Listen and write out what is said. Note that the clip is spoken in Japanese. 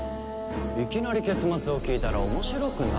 いきなり結末を聞いたら面白くないだろう？